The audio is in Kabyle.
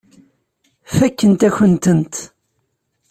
Fakkent-ak-tent.